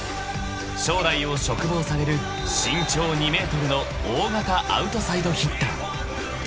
［将来を嘱望される身長２ｍの大型アウトサイドヒッター］